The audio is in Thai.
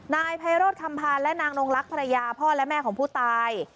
นายไพโรธคำพานและนางนงลักษ์ภรรยาพ่อและแม่ของผู้ตาย